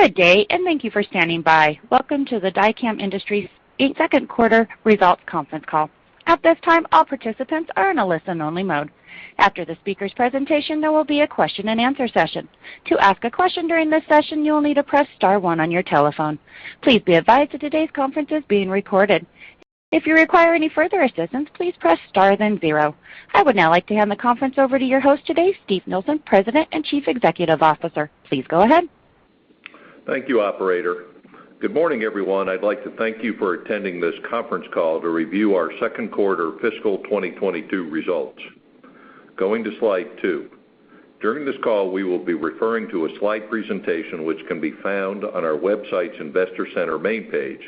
Welcome to the Dycom Industries Second Quarter Result Conference Call. At this time all participants are in a listen only mode. After the speakers presentation there would be a question and answer session. To ask a question during this session you only press star one on your telephone please be advice that todays conference is being recorded. If you require any further assistance please press star then zero. I would now like to hand the conference over to your host today, Steven Nielsen, President and Chief Executive Officer. Please go ahead. Thank you, operator. Good morning, everyone. I'd like to thank you for attending this conference call to review our second quarter fiscal 2022 results. Going to slide two. During this call, we will be referring to a slide presentation, which can be found on our website's investor center main page.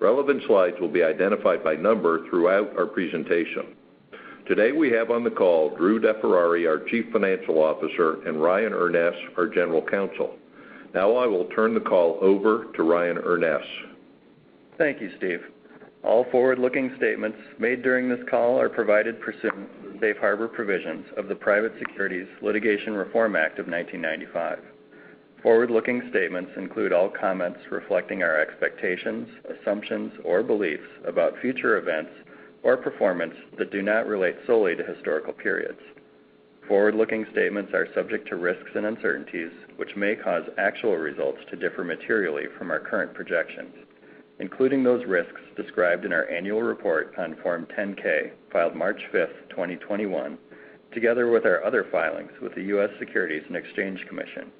Relevant slides will be identified by number throughout our presentation. Today, we have on the call Drew DeFerrari, our Chief Financial Officer, and Ryan Urness, our General Counsel. Now, I will turn the call over to Ryan Urness. Thank you, Steve. All forward-looking statements made during this call are provided pursuant to the safe harbor provisions of the Private Securities Litigation Reform Act of 1995. Forward-looking statements include all comments reflecting our expectations, assumptions, or beliefs about future events or performance that do not relate solely to historical periods. Forward-looking statements are subject to risks and uncertainties, which may cause actual results to differ materially from our current projections, including those risks described in our annual report on Form 10-K filed March 5th, 2021, together with our other filings with the U.S. Securities and Exchange Commission.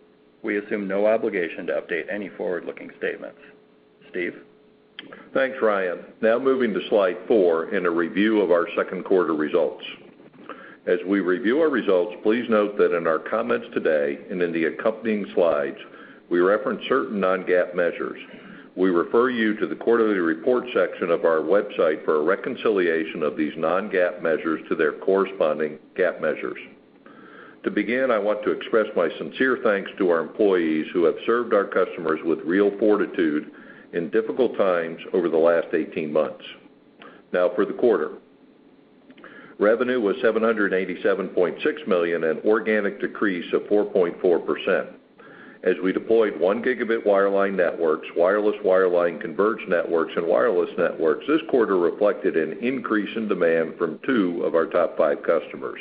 We assume no obligation to update any forward-looking statements. Steve? Thanks, Ryan. Moving to slide four in a review of our second quarter results. As we review our results, please note that in our comments today and in the accompanying slides, we reference certain non-GAAP measures. We refer you to the quarterly report section of our website for a reconciliation of these non-GAAP measures to their corresponding GAAP measures. To begin, I want to express my sincere thanks to our employees who have served our customers with real fortitude in difficult times over the last 18 months. For the quarter. Revenue was $787.6 million, an organic decrease of 4.4%. As we deployed 1 gigabit wireline networks, wireless wireline converged networks, and wireless networks this quarter reflected an increase in demand from two of our top five customers.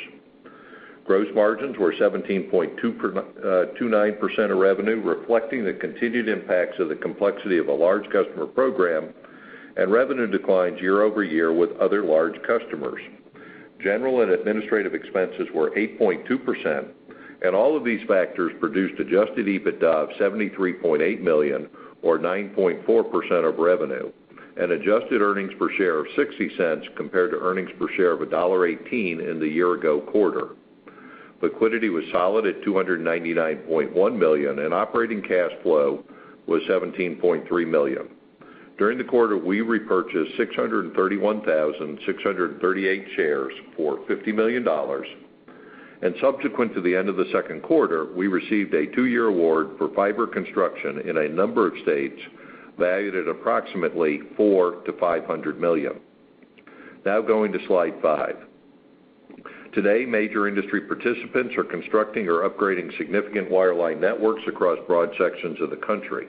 Gross margins were 17.29% of revenue, reflecting the continued impacts of the complexity of a large customer program and revenue declines year-over-year with other large customers. General and administrative expenses were 8.2%, all of these factors produced adjusted EBITDA of $73.8 million, or 9.4% of revenue, and adjusted earnings per share of $0.60 compared to earnings per share of $1.18 in the year-ago quarter. Liquidity was solid at $299.1 million, operating cash flow was $17.3 million. During the quarter, we repurchased 631,638 shares for $50 million. Subsequent to the end of the second quarter, we received a two-year award for fiber construction in a number of states valued at approximately $400 million-$500 million. Now going to slide five. Today, major industry participants are constructing or upgrading significant wireline networks across broad sections of the country.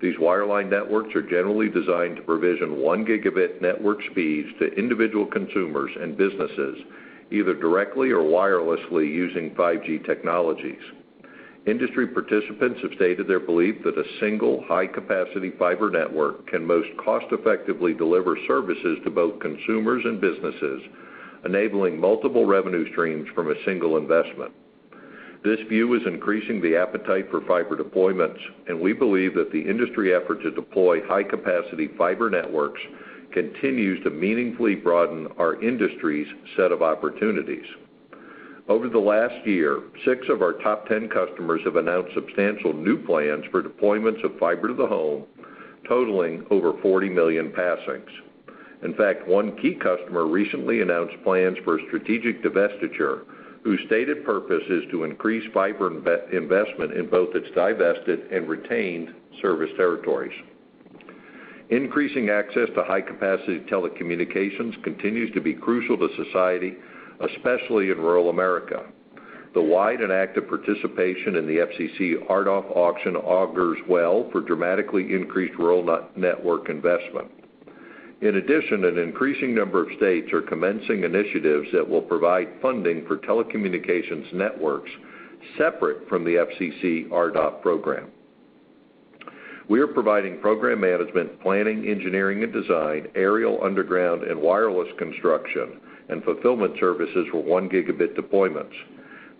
These wireline networks are generally designed to provision 1 gigabit network speeds to individual consumers and businesses, either directly or wirelessly using 5G technologies. Industry participants have stated their belief that a single high-capacity fiber network can most cost-effectively deliver services to both consumers and businesses, enabling multiple revenue streams from a single investment. This view is increasing the appetite for fiber deployments, and we believe that the industry effort to deploy high-capacity fiber networks continues to meaningfully broaden our industry's set of opportunities. Over the last year, six of our top 10 customers have announced substantial new plans for deployments of fiber to the home, totaling over 40 million passings. In fact, one key customer recently announced plans for a strategic divestiture, whose stated purpose is to increase fiber investment in both its divested and retained service territories. Increasing access to high-capacity telecommunications continues to be crucial to society, especially in rural America. The wide and active participation in the FCC RDOF auction augurs well for dramatically increased rural network investment. In addition, an increasing number of states are commencing initiatives that will provide funding for telecommunications networks separate from the FCC RDOF program. We are providing program management, planning, engineering, and design, aerial, underground, and wireless construction, and fulfillment services for one gigabit deployments.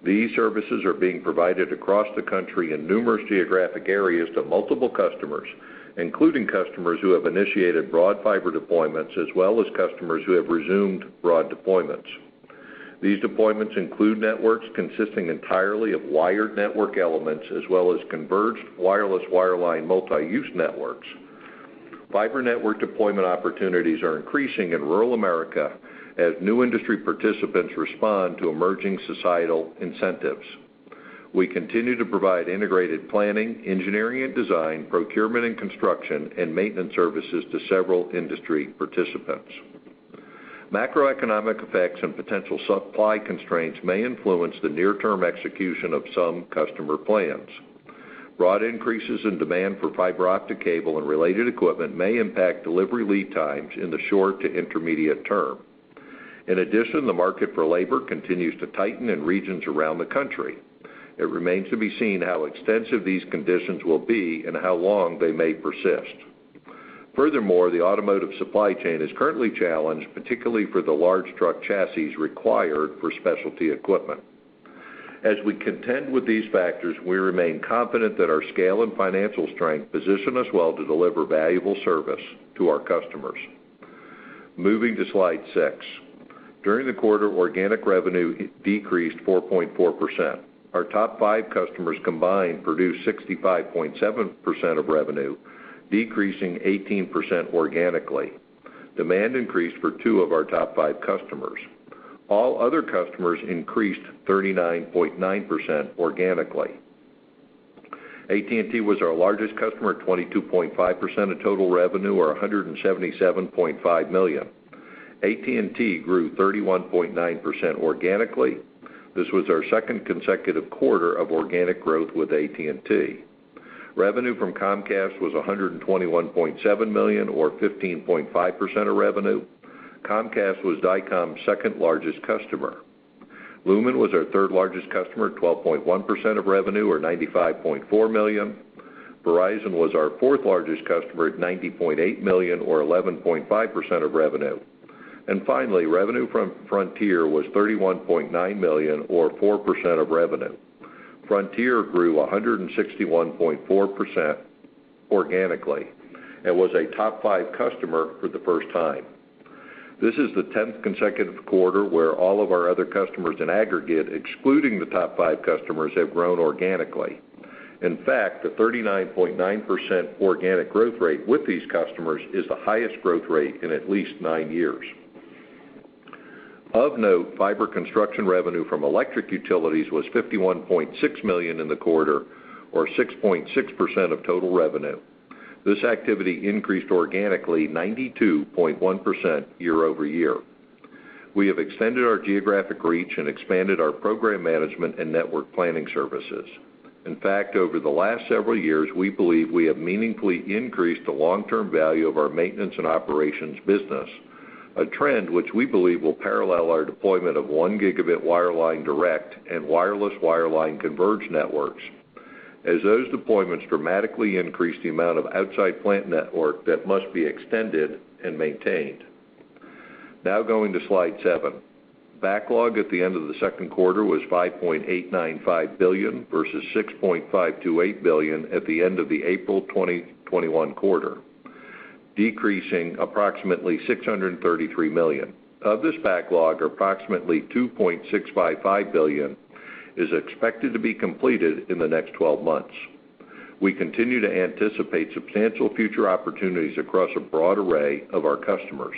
These services are being provided across the country in numerous geographic areas to multiple customers, including customers who have initiated broad fiber deployments, as well as customers who have resumed broad deployments. These deployments include networks consisting entirely of wired network elements, as well as converged wireless wireline multi-use networks. Fiber network deployment opportunities are increasing in rural America as new industry participants respond to emerging societal incentives. We continue to provide integrated planning, engineering, and design, procurement and construction, and maintenance services to several industry participants. Macroeconomic effects and potential supply constraints may influence the near-term execution of some customer plans. Broad increases in demand for fiber optic cable and related equipment may impact delivery lead times in the short to intermediate term. In addition, the market for labor continues to tighten in regions around the country. It remains to be seen how extensive these conditions will be and how long they may persist. Furthermore, the automotive supply chain is currently challenged, particularly for the large truck chassis required for specialty equipment. As we contend with these factors, we remain confident that our scale and financial strength position us well to deliver valuable service to our customers. Moving to slide six. During the quarter, organic revenue decreased 4.4%. Our top five customers combined produced 65.7% of revenue, decreasing 18% organically. Demand increased for two of our top five customers. All other customers increased 39.9% organically. AT&T was our largest customer at 22.5% of total revenue or $177.5 million. AT&T grew 31.9% organically. This was our second consecutive quarter of organic growth with AT&T. Revenue from Comcast was $121.7 million or 15.5% of revenue. Comcast was Dycom's second largest customer. Lumen was our third largest customer at 12.1% of revenue or $95.4 million. Verizon was our fourth largest customer at $90.8 million or 11.5% of revenue. Finally, revenue from Frontier was $31.9 million or 4% of revenue. Frontier grew 161.4% organically and was a top five customer for the first time. This is the 10th consecutive quarter where all of our other customers in aggregate, excluding the top five customers, have grown organically. In fact, the 39.9% organic growth rate with these customers is the highest growth rate in at least nine years. Of note, fiber construction revenue from electric utilities was $51.6 million in the quarter or 6.6% of total revenue. This activity increased organically 92.1% year-over-year. We have extended our geographic reach and expanded our program management and network planning services. In fact, over the last several years, we believe we have meaningfully increased the long-term value of our maintenance and operations business, a trend which we believe will parallel our deployment of one gigabit wireline direct and wireless wireline converged networks, as those deployments dramatically increase the amount of outside plant network that must be extended and maintained. Going to slide seven. Backlog at the end of the second quarter was $5.895 billion versus $6.528 billion at the end of the April 2021 quarter, decreasing approximately $633 million. Of this backlog, approximately $2.655 billion is expected to be completed in the next 12 months. We continue to anticipate substantial future opportunities across a broad array of our customers.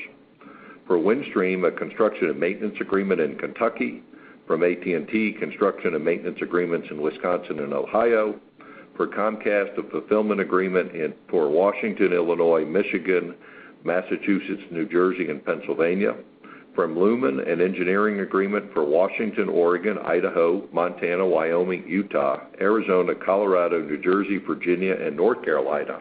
For Windstream, a construction and maintenance agreement in Kentucky. From AT&T, construction and maintenance agreements in Wisconsin and Ohio. For Comcast, a fulfillment agreement for Washington, Illinois, Michigan, Massachusetts, New Jersey and Pennsylvania. From Lumen, an engineering agreement for Washington, Oregon, Idaho, Montana, Wyoming, Utah, Arizona, Colorado, New Jersey, Virginia, and North Carolina.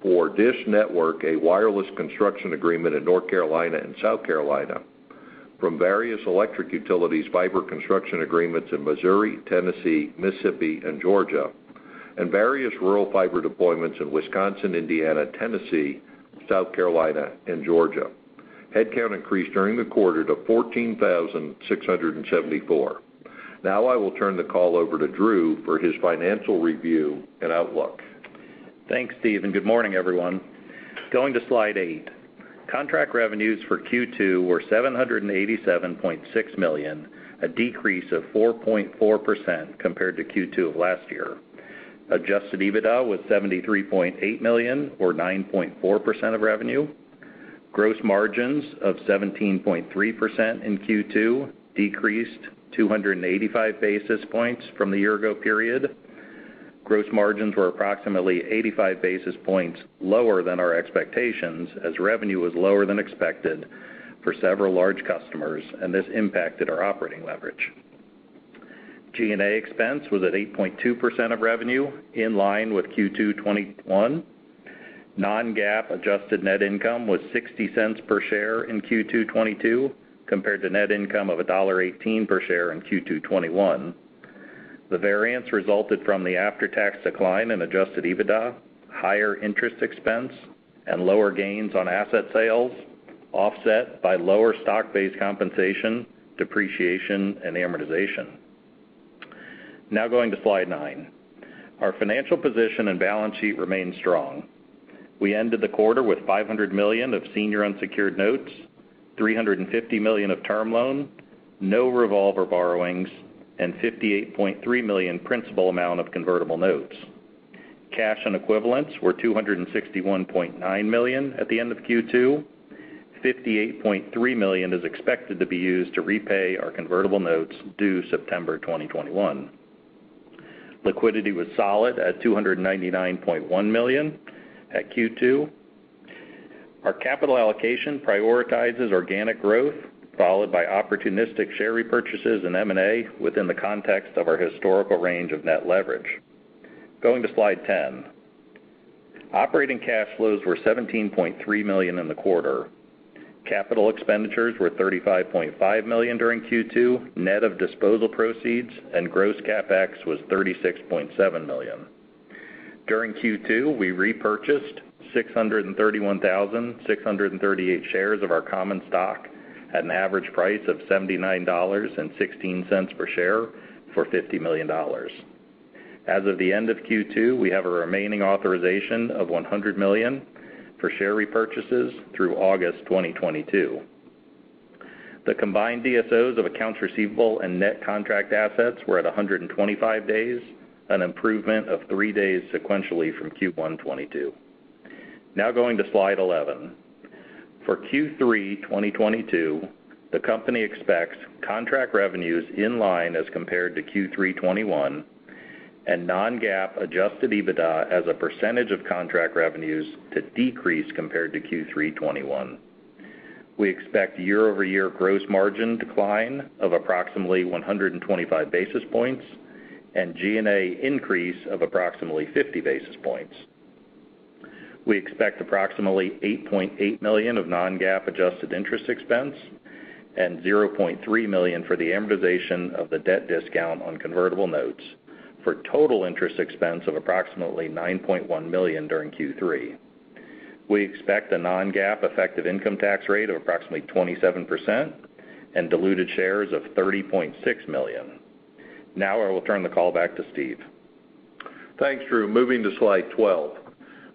For DISH Network, a wireless construction agreement in North Carolina and South Carolina. From various electric utilities, fiber construction agreements in Missouri, Tennessee, Mississippi, and Georgia. Various rural fiber deployments in Wisconsin, Indiana, Tennessee, South Carolina, and Georgia. Headcount increased during the quarter to 14,674. I will turn the call over to Drew for his financial review and outlook. Thanks, Steve. Good morning, everyone. Going to slide eight. Contract revenues for Q2 were $787.6 million, a decrease of 4.4% compared to Q2 of last year. Adjusted EBITDA was $73.8 million or 9.4% of revenue. Gross margins of 17.3% in Q2 decreased 285 basis points from the year ago period. Gross margins were approximately 85 basis points lower than our expectations as revenue was lower than expected for several large customers, and this impacted our operating leverage. G&A expense was at 8.2% of revenue, in line with Q2 2021. Non-GAAP adjusted net income was $0.60 per share in Q2 2022 compared to net income of $1.18 per share in Q2 2021. The variance resulted from the after-tax decline in adjusted EBITDA, higher interest expense, and lower gains on asset sales, offset by lower stock-based compensation, depreciation, and amortization. Going to slide nine. Our financial position and balance sheet remain strong. We ended the quarter with $500 million of senior unsecured notes, $350 million of term loan, no revolver borrowings, and $58.3 million principal amount of convertible notes. Cash and equivalents were $261.9 million at the end of Q2. $58.3 million is expected to be used to repay our convertible notes due September 2021. Liquidity was solid at $299.1 million at Q2. Our capital allocation prioritizes organic growth, followed by opportunistic share repurchases and M&A within the context of our historical range of net leverage. Going to slide 10. Operating cash flows were $17.3 million in the quarter. Capital expenditures were $35.5 million during Q2, net of disposal proceeds, and gross CapEx was $36.7 million. During Q2, we repurchased 631,638 shares of our common stock at an average price of $79.16 per share for $50 million. As of the end of Q2, we have a remaining authorization of $100 million for share repurchases through August 2022. The combined DSOs of accounts receivable and net contract assets were at 125 days, an improvement of three days sequentially from Q1 2022. Going to slide 11. For Q3 2022, the company expects contract revenues in line as compared to Q3 2021 and non-GAAP adjusted EBITDA as a percentage of contract revenues to decrease compared to Q3 2021. We expect year-over-year gross margin decline of approximately 125 basis points and G&A increase of approximately 50 basis points. We expect approximately $8.8 million of non-GAAP adjusted interest expense and $0.3 million for the amortization of the debt discount on convertible notes for total interest expense of approximately $9.1 million during Q3. We expect a non-GAAP effective income tax rate of approximately 27% and diluted shares of 30.6 million. Now, I will turn the call back to Steve. Thanks, Drew. Moving to slide 12.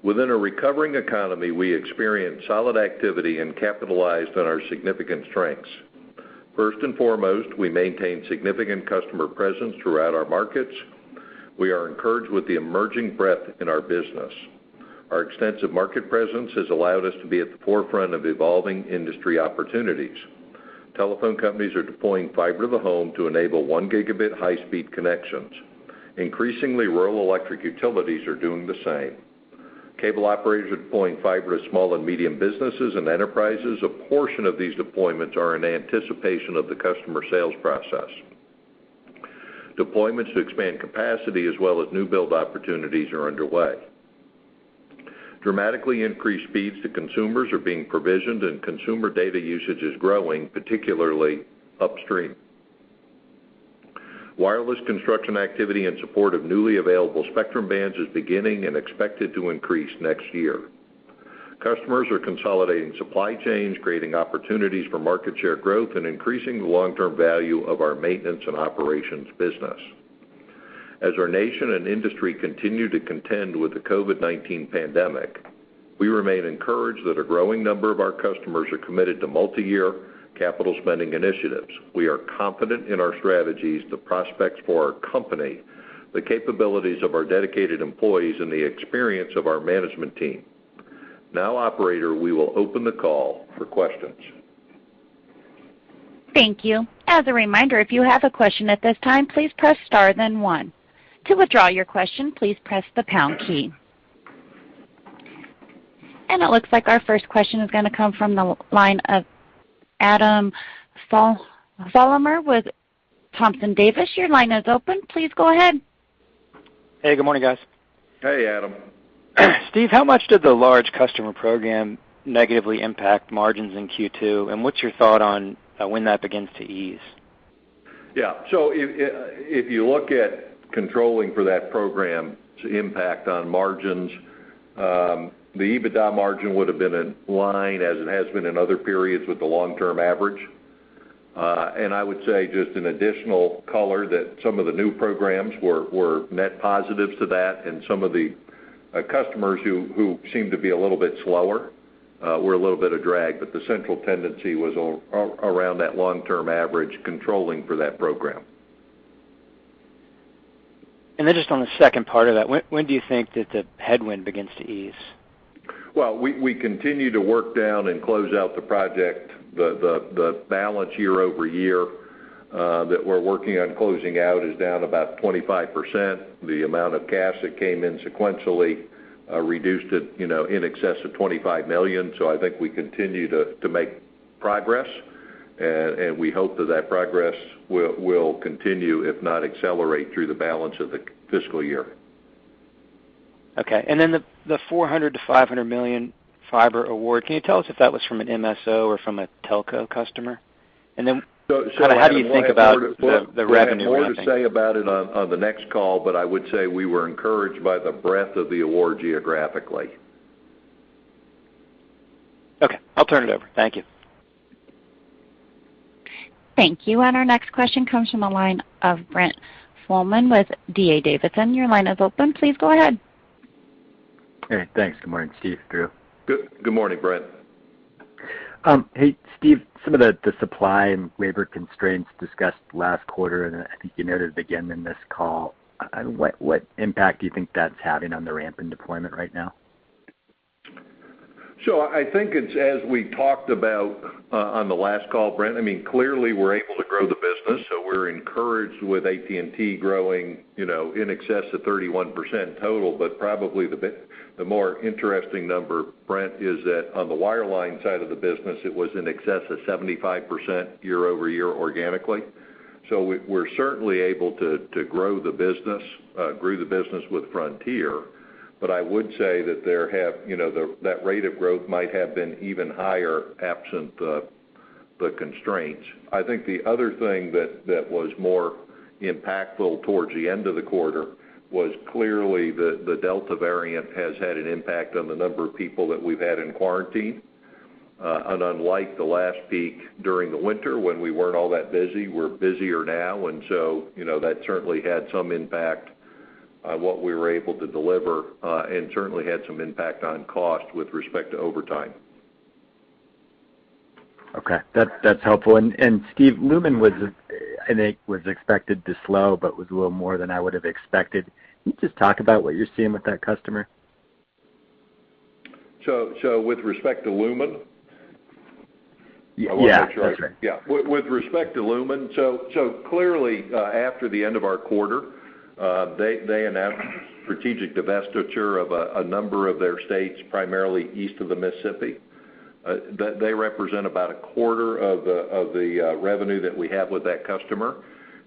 Within a recovering economy, we experienced solid activity and capitalized on our significant strengths. First and foremost, we maintain significant customer presence throughout our markets. We are encouraged with the emerging breadth in our business. Our extensive market presence has allowed us to be at the forefront of evolving industry opportunities. Telephone companies are deploying fiber to the home to enable one gigabit high-speed connections. Increasingly, rural electric utilities are doing the same. Cable operators are deploying fiber to small and medium businesses and enterprises. A portion of these deployments are in anticipation of the customer sales process. Deployments to expand capacity as well as new build opportunities are underway. Dramatically increased speeds to consumers are being provisioned and consumer data usage is growing, particularly upstream. Wireless construction activity in support of newly available spectrum bands is beginning and expected to increase next year. Customers are consolidating supply chains, creating opportunities for market share growth, and increasing the long-term value of our maintenance and operations business. As our nation and industry continue to contend with the COVID-19 pandemic, we remain encouraged that a growing number of our customers are committed to multi-year capital spending initiatives. We are confident in our strategies, the prospects for our company, the capabilities of our dedicated employees, and the experience of our management team. Now, operator, we will open the call for questions. Thank you. As a reminder, if you have a question at this time, please press star then one. To withdraw your question, please press the pound key. It looks like our first question is going to come from the line of Adam Thalhimer with Thompson Davis. Your line is open. Please go ahead. Hey, good morning, guys. Hey, Adam. Steve, how much did the large customer program negatively impact margins in Q2? What's your thought on when that begins to ease? Yeah. If you look at controlling for that program's impact on margins, the EBITDA margin would have been in line as it has been in other periods with the long-term average. I would say just an additional color that some of the new programs were net positives to that, and some of the customers who seemed to be a little bit slower were a little bit of drag. The central tendency was around that long-term average controlling for that program. Just on the second part of that, when do you think that the headwind begins to ease? Well, we continue to work down and close out the project. The balance year-over-year that we're working on closing out is down about 25%. The amount of cash that came in sequentially reduced it in excess of $25 million. I think we continue to make progress, and we hope that that progress will continue, if not accelerate, through the balance of the fiscal year. Okay. The $400 million-$500 million fiber award, can you tell us if that was from an MSO or from a telco customer? And how do you think about the revenue ramping? We'll have more to say about it on the next call, but I would say we were encouraged by the breadth of the award geographically. Okay. I'll turn it over. Thank you. Thank you. Our next question comes from the line of Brent Thielman with D.A. Davidson. Your line is open. Please go ahead. Hey, thanks. Good morning, Steve, Drew. Good morning, Brent. Hey, Steve, some of the supply and labor constraints discussed last quarter, and I think you noted again in this call, what impact do you think that's having on the ramp in deployment right now? I think it's as we talked about on the last call, Brent, clearly we're able to grow the business, so we're encouraged with AT&T growing in excess of 31% total, but probably the more interesting number, Brent, is that on the wireline side of the business, it was in excess of 75% year-over-year organically. We're certainly able to grow the business, grew the business with Frontier. I would say that that rate of growth might have been even higher absent the constraints. I think the other thing that was more impactful towards the end of the quarter was clearly the Delta variant has had an impact on the number of people that we've had in quarantine. Unlike the last peak during the winter when we weren't all that busy, we're busier now, and so that certainly had some impact on what we were able to deliver, and certainly had some impact on cost with respect to overtime. Okay. That's helpful. Steve, Lumen, I think, was expected to slow, but was a little more than I would have expected. Can you just talk about what you're seeing with that customer? With respect to Lumen? Yeah. That's right. With respect to Lumen, clearly, after the end of our quarter, they announced a strategic divestiture of a number of their states, primarily east of the Mississippi. They represent about a quarter of the revenue that we have with that customer.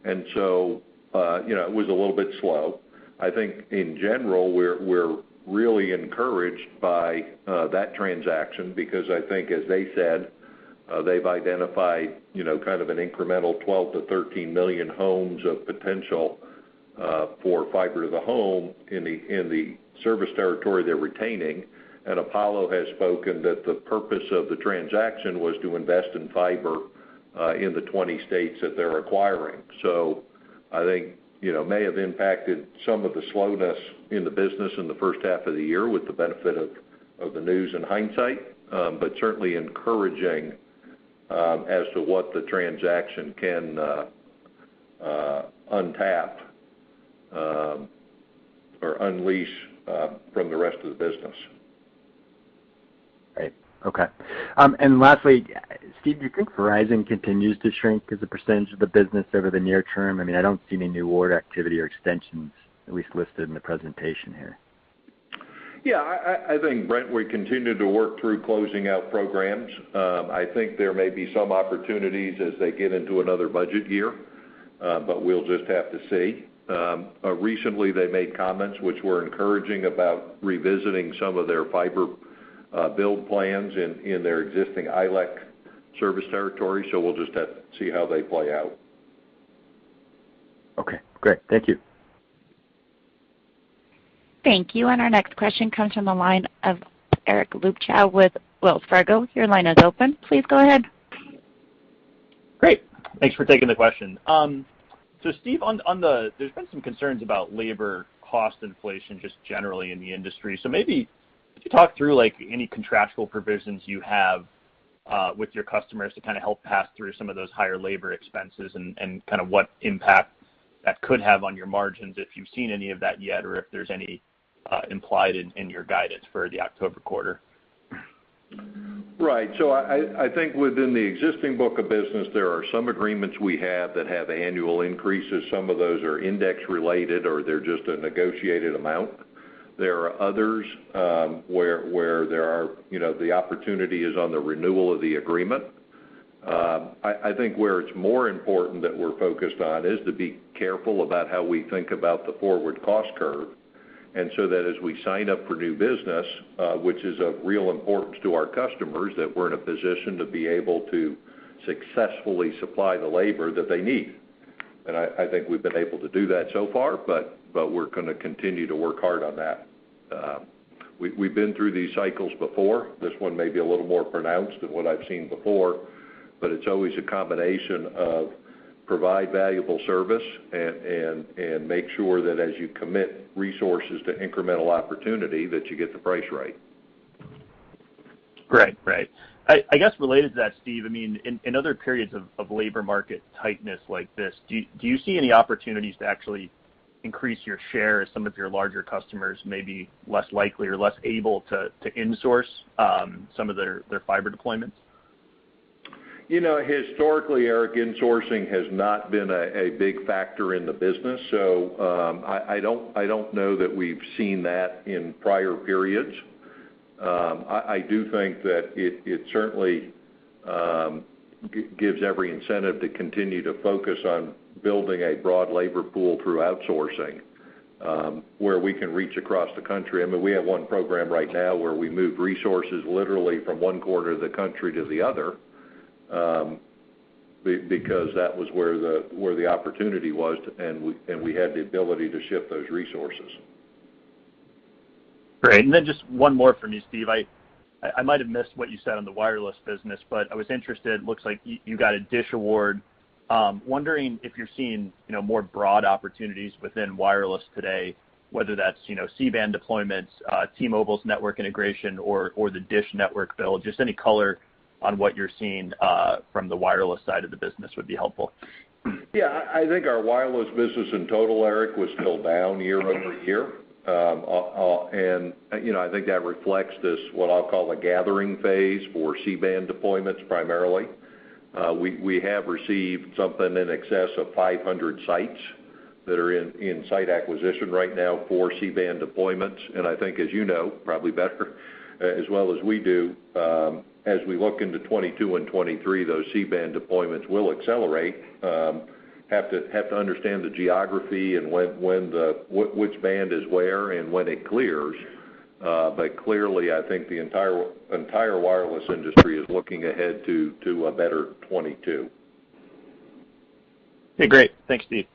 It was a little bit slow. I think in general, we're really encouraged by that transaction because I think as they said, they've identified kind of an incremental 12 million-13 million homes of potential for fiber to the home in the service territory they're retaining. Apollo has spoken that the purpose of the transaction was to invest in fiber in the 20 states that they're acquiring. I think may have impacted some of the slowness in the business in the first half of the year with the benefit of the news in hindsight. Certainly encouraging as to what the transaction can untap or unleash from the rest of the business. Great. Okay. Lastly, Steven, do you think Verizon continues to shrink as a percentage of the business over the near term? I don't see any new award activity or extensions, at least listed in the presentation here. Yeah. I think, Brent, we continue to work through closing out programs. I think there may be some opportunities as they get into another budget year, we'll just have to see. Recently, they made comments which were encouraging about revisiting some of their fiber build plans in their existing ILEC service territory, we'll just have to see how they play out. Okay, great. Thank you. Thank you. Our next question comes from the line of Eric Luebchow with Wells Fargo. Your line is open. Please go ahead. Great. Thanks for taking the question. Steve, there's been some concerns about labor cost inflation just generally in the industry. Maybe could you talk through any contractual provisions you have with your customers to kind of help pass through some of those higher labor expenses and kind of what impact that could have on your margins, if you've seen any of that yet or if there's any implied in your guidance for the October quarter? Right. I think within the existing book of business, there are some agreements we have that have annual increases. Some of those are index related or they're just a negotiated amount. There are others where the opportunity is on the renewal of the agreement. I think where it's more important that we're focused on is to be careful about how we think about the forward cost curve, that as we sign up for new business, which is of real importance to our customers, that we're in a position to be able to successfully supply the labor that they need. I think we've been able to do that so far, but we're going to continue to work hard on that. We've been through these cycles before. This one may be a little more pronounced than what I've seen before, but it's always a combination of provide valuable service and make sure that as you commit resources to incremental opportunity, that you get the price right. Right. I guess related to that, Steve, in other periods of labor market tightness like this, do you see any opportunities to actually increase your share as some of your larger customers may be less likely or less able to in-source some of their fiber deployments? Historically, Eric, in-sourcing has not been a big factor in the business, so I don't know that we've seen that in prior periods. I do think that it certainly gives every incentive to continue to focus on building a broad labor pool through outsourcing, where we can reach across the country. We have one program right now where we moved resources literally from one quarter of the country to the other, because that was where the opportunity was, and we had the ability to shift those resources. Great. Just one more from me, Steve. I might have missed what you said on the wireless business, but I was interested. Looks like you got a DISH award. I'm wondering if you're seeing more broad opportunities within wireless today, whether that's C-band deployments, T-Mobile's network integration, or the DISH Network build, just any color on what you're seeing from the wireless side of the business would be helpful. Yeah. I think our wireless business in total, Eric was still down year-over-year. I think that reflects this, what I'll call a gathering phase for C-band deployments primarily. We have received something in excess of 500 sites that are in site acquisition right now for C-band deployments. I think as you know, probably better as well as we do, as we look into 2022 and 2023, those C-band deployments will accelerate. Have to understand the geography and which band is where and when it clears. Clearly, I think the entire wireless industry is looking ahead to a better 2022. Okay, great. Thanks, Steve.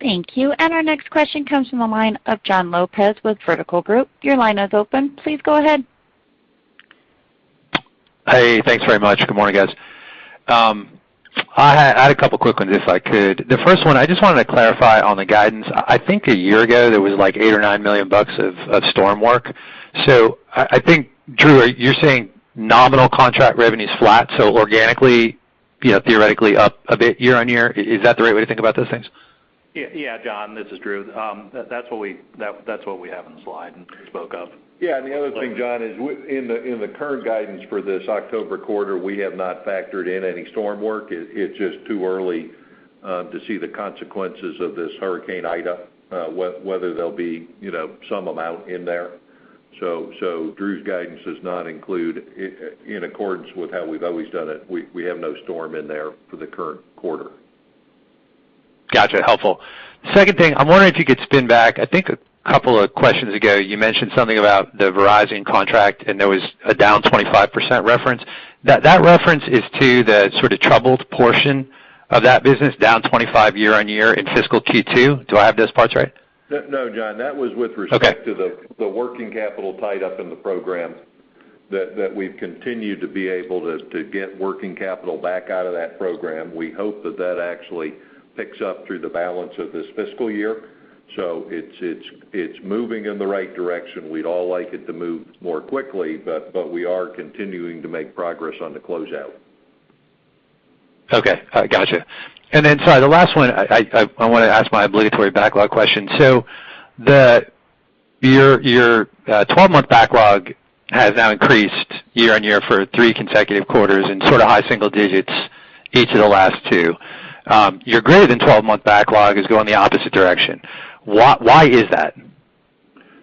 Thank you. Our next question comes from the line of Jon Lopez with Vertical Group. Your line is open. Please go ahead. Hey, thanks very much. Good morning, guys. I had a couple quick ones, if I could. The first one, I just wanted to clarify on the guidance. I think a year ago, there was like $8 million or $9 million of storm work. I think, Drew, you're saying nominal contract revenue's flat, so organically, theoretically up a bit year-on-year. Is that the right way to think about those things? Yeah, Jon, this is Drew. That's what we have in the slide and spoke of. Yeah. The other thing, Jon, is in the current guidance for this October quarter, we have not factored in any storm work. It's just too early to see the consequences of this Hurricane Ida, whether there'll be some amount in there. Drew's guidance does not include, in accordance with how we've always done it, we have no storm in there for the current quarter. Gotcha, helpful. Second thing, I'm wondering if you could spin back. I think a couple of questions ago, you mentioned something about the Verizon contract, and there was a down 25% reference. That reference is to the sort of troubled portion of that business, down 25% year-on-year in fiscal Q2? Do I have those parts right? No, Jon, that was with respect. Okay To the working capital tied up in the program that we've continued to be able to get working capital back out of that program. We hope that that actually picks up through the balance of this fiscal year. It's moving in the right direction. We'd all like it to move more quickly, but we are continuing to make progress on the closeout. Okay. Gotcha. Sorry, the last one, I want to ask my obligatory backlog question. Your 12-month backlog has now increased year-on-year for three consecutive quarters in sort of high single digits, each of the last two. Your greater than 12-month backlog is going the opposite direction. Why is that?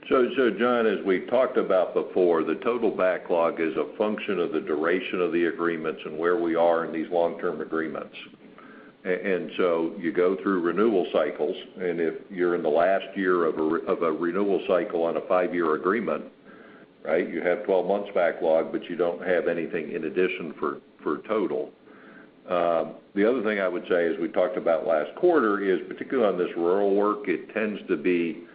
Jon, as we've talked about before, the total backlog is a function of the duration of the agreements and where we are in these long-term agreements. You go through renewal cycles, and if you're in the last year of a renewal cycle on a five-year agreement, you have 12 months backlog, but you don't have anything in addition for total. The other thing I would say, as we talked about last quarter, is particularly on this rural work, the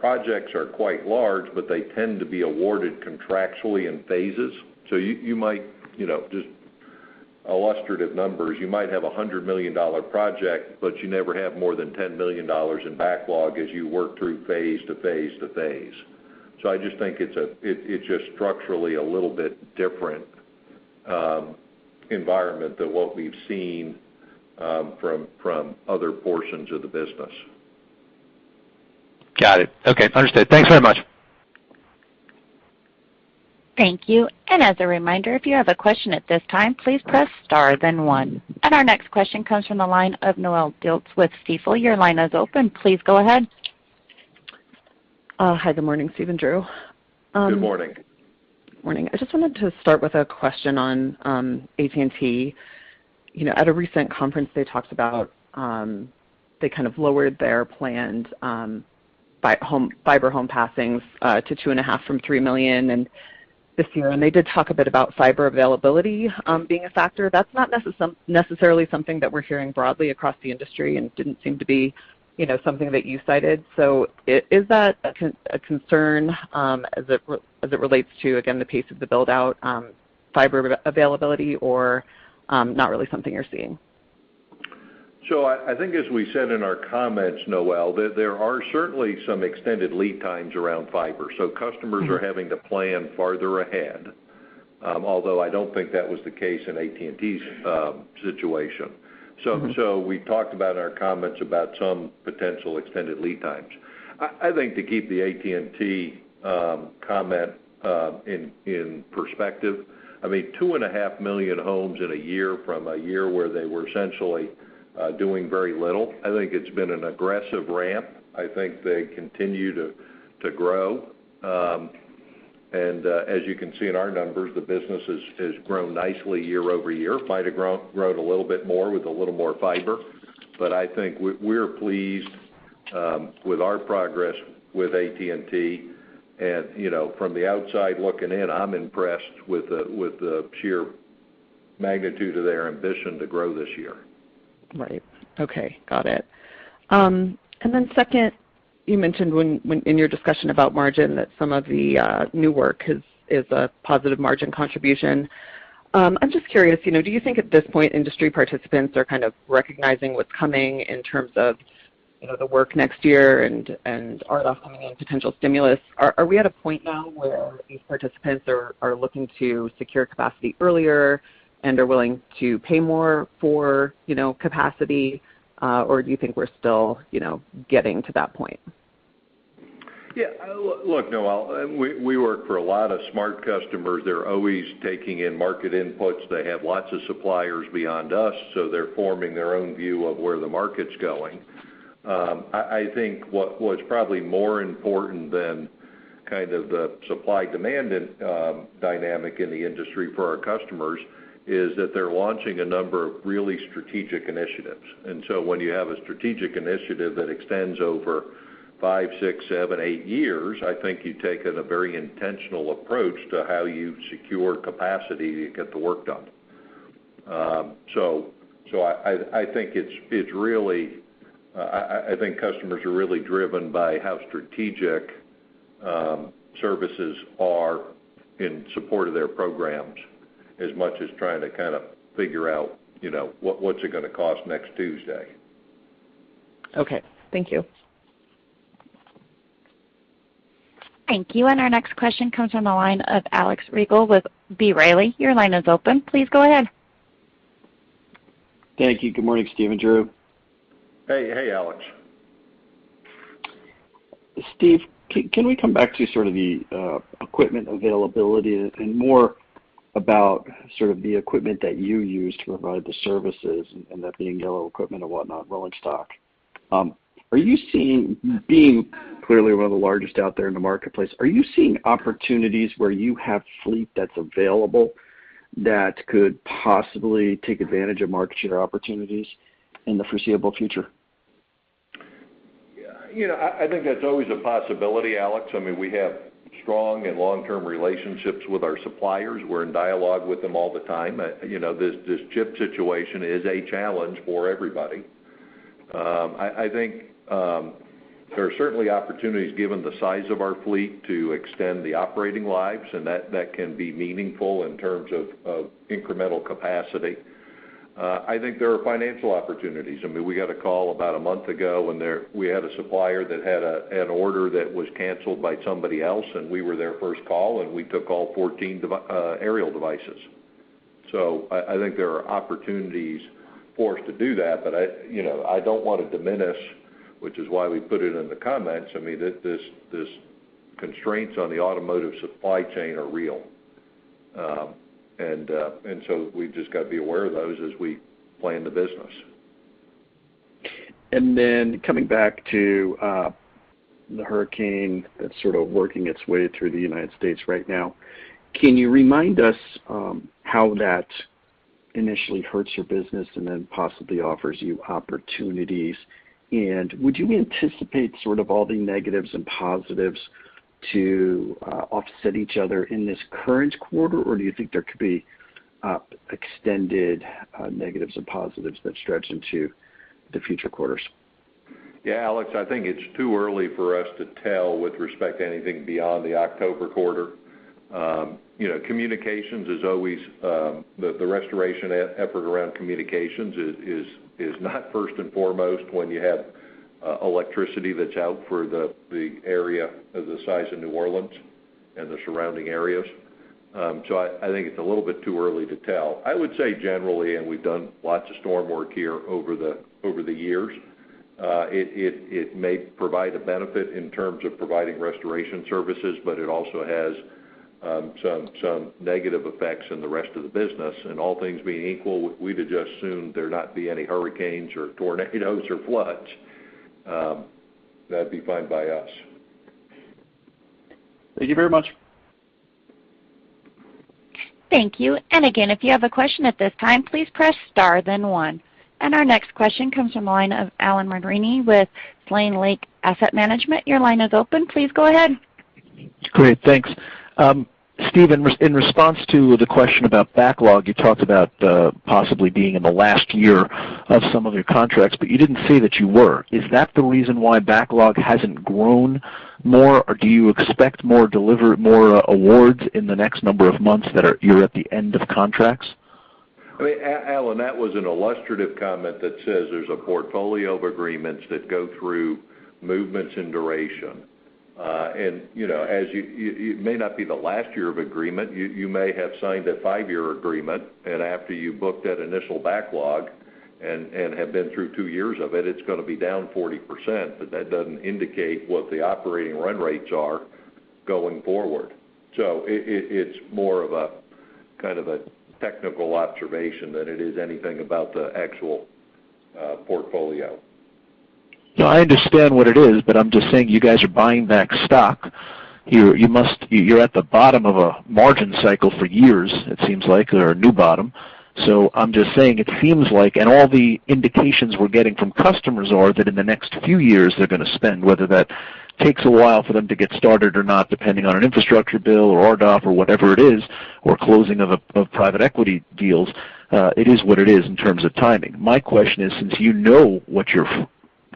projects are quite large, but they tend to be awarded contractually in phases. Just illustrative numbers, you might have a $100 million project, but you never have more than $10 million in backlog as you work through phase to phase to phase. I just think it's structurally a little bit different environment than what we've seen from other portions of the business. Got it. Okay. Understood. Thanks very much. Thank you. As a reminder, if you have a question at this time, please press star then one. Our next question comes from the line of Noelle Dilts with Stifel. Your line is open. Please go ahead. Hi, good morning, Steve and Drew. Good morning. Morning. I just wanted to start with a question on AT&T. At a recent conference, they talked about they kind of lowered their planned fiber home passings to 2.5 million from 3 million this year, and they did talk a bit about fiber availability being a factor. That's not necessarily something that we're hearing broadly across the industry, and it didn't seem to be something that you cited. Is that a concern as it relates to, again, the pace of the build-out fiber availability, or not really something you're seeing? I think as we said in our comments, Noelle, that there are certainly some extended lead times around fiber, so customers are having to plan farther ahead. I don't think that was the case in AT&T's situation. We talked about in our comments about some potential extended lead times. I think to keep the AT&T comment in perspective, I mean, 2.5 million homes in a year from a year where they were essentially doing very little, I think it's been an aggressive ramp. I think they continue to grow. As you can see in our numbers, the business has grown nicely year-over-year. Might have grown a little bit more with a little more fiber, but I think we're pleased with our progress with AT&T, and from the outside looking in, I'm impressed with the sheer magnitude of their ambition to grow this year. Right. Okay. Got it. Second, you mentioned in your discussion about margin that some of the new work is a positive margin contribution. I'm just curious, do you think at this point industry participants are kind of recognizing what's coming in terms of the work next year and RDOF coming and potential stimulus? Are we at a point now where these participants are looking to secure capacity earlier and are willing to pay more for capacity, or do you think we're still getting to that point? Look, Noelle, we work for a lot of smart customers. They're always taking in market inputs. They have lots of suppliers beyond us, so they're forming their own view of where the market's going. I think what's probably more important than kind of the supply-demand dynamic in the industry for our customers is that they're launching a number of really strategic initiatives. When you have a strategic initiative that extends over five, six, seven, eight years, I think you take a very intentional approach to how you secure capacity to get the work done. I think customers are really driven by how strategic services are in support of their programs, as much as trying to kind of figure out, what's it going to cost next Tuesday. Okay. Thank you. Thank you. Our next question comes from the line of Alex Rygiel with B. Riley. Your line is open. Please go ahead. Thank you. Good morning, Steve and Drew. Hey, Alex. Steve, can we come back to sort of the equipment availability and more about sort of the equipment that you use to provide the services and that being yellow equipment and whatnot, rolling stock. Being clearly one of the largest out there in the marketplace, are you seeing opportunities where you have fleet that's available that could possibly take advantage of market share opportunities in the foreseeable future? I think that's always a possibility, Alex. I mean, we have strong and long-term relationships with our suppliers. We're in dialogue with them all the time. This chip situation is a challenge for everybody. I think there are certainly opportunities given the size of our fleet to extend the operating lives, and that can be meaningful in terms of incremental capacity. I think there are financial opportunities. I mean, we got a call about a month ago. We had a supplier that had an order that was canceled by somebody else, and we were their first call, and we took all 14 aerial devices. I think there are opportunities for us to do that, but I don't want to diminish, which is why we put it in the comments. I mean, these constraints on the automotive supply chain are real. We've just got to be aware of those as we plan the business. Coming back to the hurricane that's sort of working its way through the United States right now, can you remind us how that initially hurts your business and then possibly offers you opportunities? Would you anticipate sort of all the negatives and positives to offset each other in this current quarter, or do you think there could be extended negatives and positives that stretch into the future quarters? Yeah, Alex, I think it's too early for us to tell with respect to anything beyond the October quarter. The restoration effort around communications is not first and foremost when you have electricity that's out for the area of the size of New Orleans and the surrounding areas. I think it's a little bit too early to tell. I would say generally, and we've done lots of storm work here over the years, it may provide a benefit in terms of providing restoration services, but it also has some negative effects in the rest of the business. All things being equal, we'd just as soon there not be any hurricanes or tornadoes or floods. That'd be fine by us. Thank you very much. Thank you. And again, if you have a question at this time, please press star then one. And our next question comes from the line of Alan Mitrani with Sylvan Lake Asset Management. Your line is open. Please go ahead. Great. Thanks. Steve, in response to the question about backlog, you talked about possibly being in the last year of some of your contracts. You didn't say that you were. Is that the reason why backlog hasn't grown more, or do you expect more awards in the next number of months that you're at the end of contracts? I mean, Alan, that was an illustrative comment that says there's a portfolio of agreements that go through movements and duration. It may not be the last year of agreement. You may have signed a five-year agreement, and after you book that initial backlog and have been through two years of it's going to be down 40%, but that doesn't indicate what the operating run rates are going forward. It's more of a kind of a technical observation than it is anything about the actual portfolio. Yeah, I understand what it is, but I'm just saying you guys are buying back stock. You're at the bottom of a margin cycle for years, it seems like, or a new bottom. I'm just saying it seems like, and all the indications we're getting from customers are that in the next few years, they're going to spend, whether that takes a while for them to get started or not, depending on an infrastructure bill or RDOF or whatever it is, or closing of private equity deals. It is what it is in terms of timing. My question is, since you know what your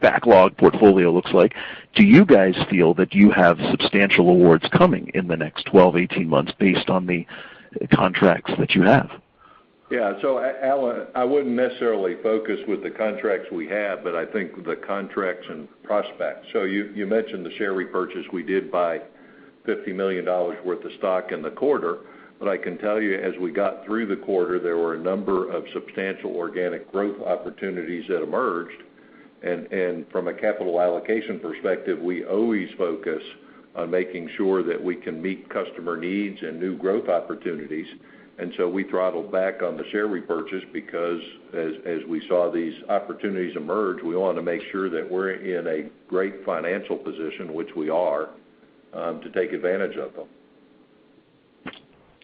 backlog portfolio looks like. Do you guys feel that you have substantial awards coming in the next 12-18 months based on the contracts that you have? Yeah. Alan, I wouldn't necessarily focus with the contracts we have, but I think the contracts and prospects. You mentioned the share repurchase, we did buy $50 million worth of stock in the quarter. I can tell you, as we got through the quarter, there were a number of substantial organic growth opportunities that emerged, and from a capital allocation perspective, we always focus on making sure that we can meet customer needs and new growth opportunities. We throttled back on the share repurchase because as we saw these opportunities emerge, we wanted to make sure that we're in a great financial position, which we are, to take advantage of them.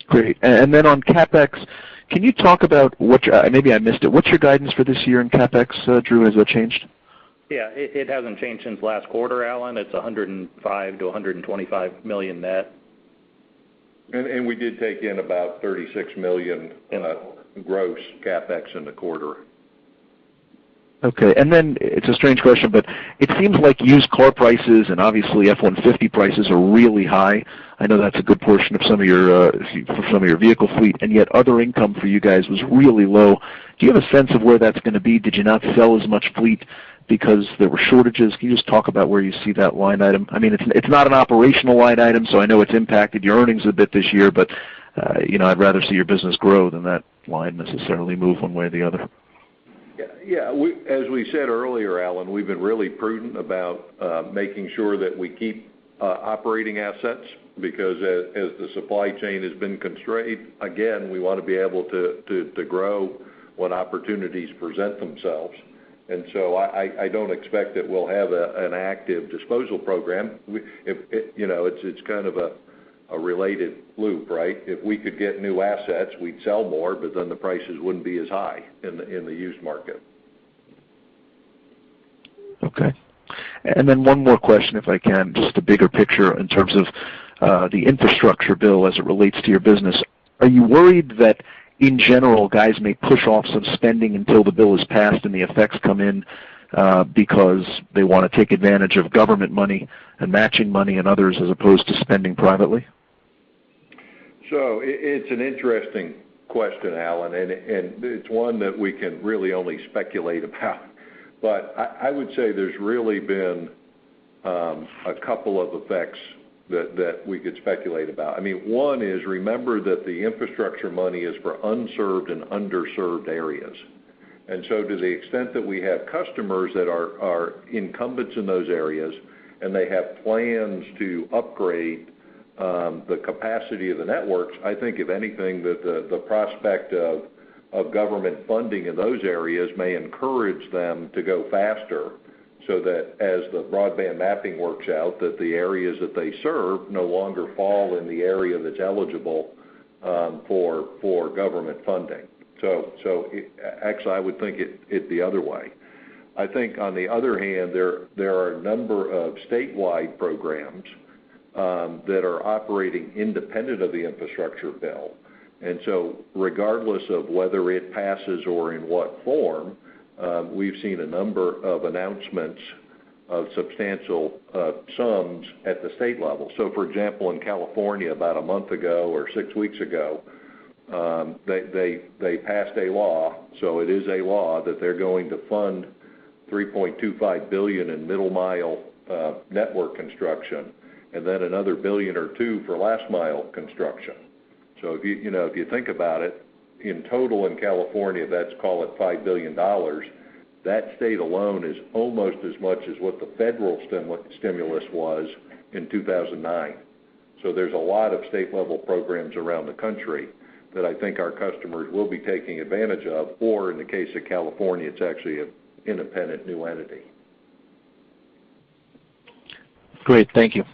Great. On CapEx, can you talk about, maybe I missed it, what's your guidance for this year in CapEx, Drew? Has that changed? Yeah. It hasn't changed since last quarter, Alan. It's $105 million-$125 million net. We did take in about $36 million in a gross CapEx in the quarter. Okay. It's a strange question, but it seems like used car prices and obviously F-150 prices are really high. I know that's a good portion of some of your vehicle fleet, and yet other income for you guys was really low. Do you have a sense of where that's going to be? Did you not sell as much fleet because there were shortages? Can you just talk about where you see that line item? It's not an operational line item. I know it's impacted your earnings a bit this year, but I'd rather see your business grow than that line necessarily move one way or the other. As we said earlier, Alan, we've been really prudent about making sure that we keep operating assets because as the supply chain has been constrained, again, we want to be able to grow when opportunities present themselves. I don't expect that we'll have an active disposal program. It's kind of a related loop, right? If we could get new assets, we'd sell more, the prices wouldn't be as high in the used market. Okay. One more question, if I can, just a bigger picture in terms of the infrastructure bill as it relates to your business, are you worried that, in general, guys may push off some spending until the bill is passed and the effects come in because they want to take advantage of government money and matching money and others, as opposed to spending privately? It's an interesting question, Alan, and it's one that we can really only speculate about. I would say there's really been a couple of effects that we could speculate about. One is, remember that the infrastructure money is for unserved and underserved areas. To the extent that we have customers that are incumbents in those areas and they have plans to upgrade the capacity of the networks, I think if anything, that the prospect of government funding in those areas may encourage them to go faster, so that as the broadband mapping works out, that the areas that they serve no longer fall in the area that's eligible for government funding. Actually, I would think it the other way. I think on the other hand, there are a number of statewide programs that are operating independent of the infrastructure bill. Regardless of whether it passes or in what form, we've seen a number of announcements of substantial sums at the state level. For example, in California, about a month ago or six weeks ago, they passed a law, so it is a law that they're going to fund $3.25 billion in middle mile network construction, and then $1 billion or $2 billion for last mile construction. If you think about it, in total in California, that's call it $5 billion. That state alone is almost as much as what the federal stimulus was in 2009. There's a lot of state level programs around the country that I think our customers will be taking advantage of, or in the case of California, it's actually an independent new entity. Great. Thank you.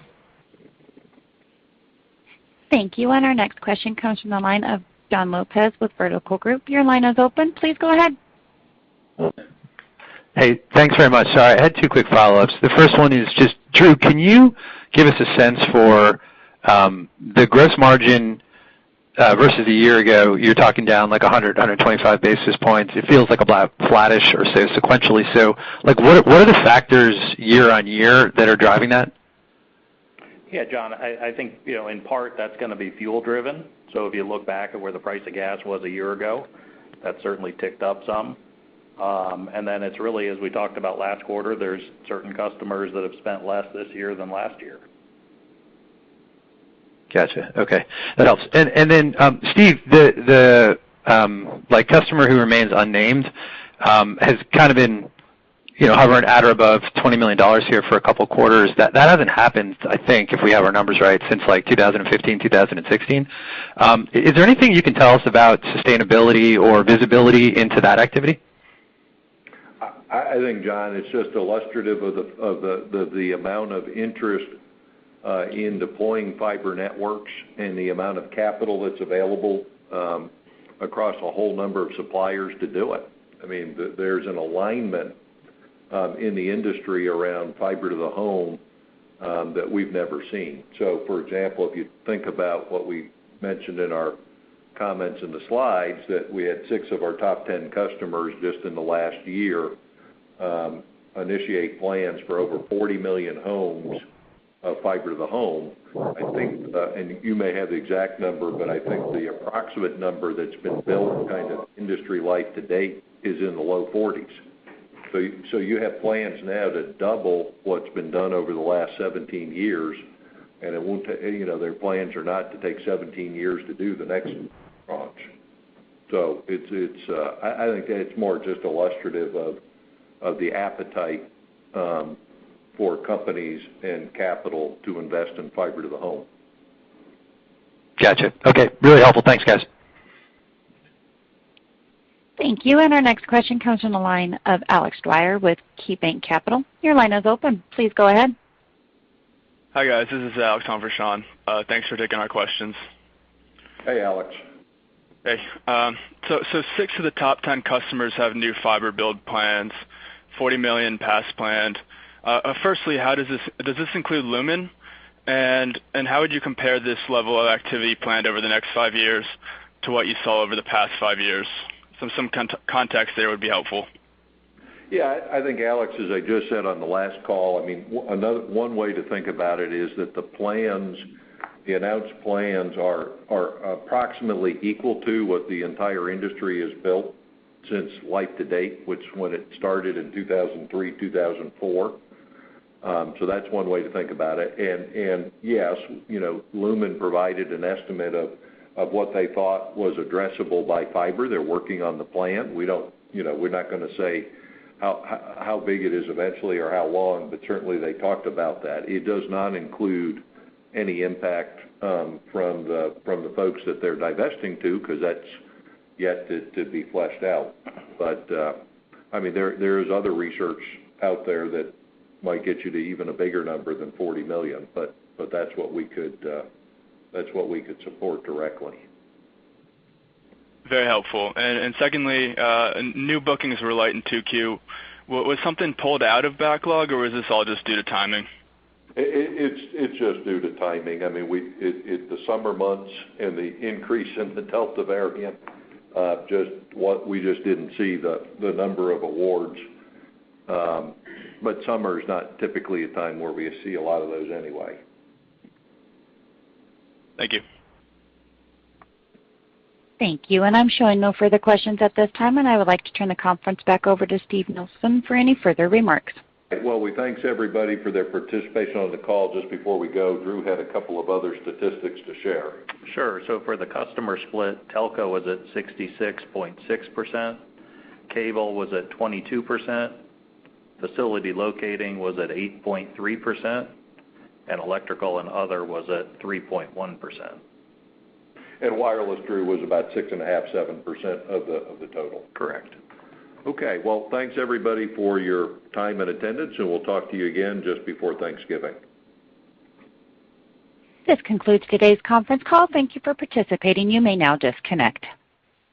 Thank you. Our next question comes from the line of Jon Lopez with Vertical Group. Your line is open. Please go ahead. Hey, thanks very much. I had two quick follow-ups. The first one is just, Drew, can you give us a sense for the gross margin versus a year ago? You're talking down like 100-125 basis points. It feels like about flattish or so sequentially. What are the factors year-on-year that are driving that? Yeah, Jon, I think in part, that's going to be fuel driven. If you look back at where the price of gas was a year ago, that certainly ticked up some. It's really, as we talked about last quarter, there's certain customers that have spent less this year than last year. Got you. Okay. That helps. Steve, the customer who remains unnamed, has kind of been hovering at or above $20 million here for a couple quarters. That hasn't happened, I think, if we have our numbers right, since like 2015, 2016. Is there anything you can tell us about sustainability or visibility into that activity? I think, Jon, it's just illustrative of the amount of interest in deploying fiber networks and the amount of capital that's available across a whole number of suppliers to do it. There's an alignment in the industry around fiber to the home. That we've never seen. For example, if you think about what we mentioned in our comments in the slides, that we had six of our top 10 customers just in the last year initiate plans for over 40 million homes of fiber to the home. I think, and you may have the exact number, but I think the approximate number that's been built kind of industry-wide to date is in the low 40s. You have plans now to double what's been done over the last 17 years, and their plans are not to take 17 years to do the next launch. I think it's more just illustrative of the appetite for companies and capital to invest in fiber to the home. Gotcha. Okay. Really helpful. Thanks, guys. Thank you. Our next question comes from the line of Alex Dwyer with KeyBanc Capital. Your line is open. Please go ahead. Hi, guys. This is Alex on for Sean. Thanks for taking our questions. Hey, Alex. Hey. Six of the top 10 customers have new fiber build plans, 40 million pass planned. Firstly, does this include Lumen? How would you compare this level of activity planned over the next five years to what you saw over the past five years? Some context there would be helpful. Yeah, I think Alex, as I just said on the last call, one way to think about it is that the announced plans are approximately equal to what the entire industry has built since life to date, which when it started in 2003, 2004. So that's when I think about it. And yes, Lumen provided an estimate of what they thought was addressable by fiber. They're working on the plan. We're not going to say how big it is eventually or how long, but certainly they talked about that. It does not include any impact from the folks that they're divesting to, because that's yet to be fleshed out. There is other research out there that might get you to even a bigger number than $40 million, but that's what we could support directly. Very helpful. Secondly, new bookings were light in 2Q. Was something pulled out of backlog, or was this all just due to timing? It's just due to timing. The summer months and the increase in the Delta variant, we just didn't see the number of awards. Summer is not typically a time where we see a lot of those anyway. Thank you. Thank you. I'm showing no further questions at this time, and I would like to turn the conference back over to Steven Nielsen for any further remarks. We thanks everybody for their participation on the call. Just before we go, Drew had a couple of other statistics to share. Sure. For the customer split, telco was at 66.6%, cable was at 22%, facility locating was at 8.3%, and electrical and other was at 3.1%. Wireless, Drew, was about 6.5%-7% of the total. Correct. Okay. Well, thanks everybody for your time and attendance. We'll talk to you again just before Thanksgiving. This concludes today's conference call. Thank you for participating. You may now disconnect.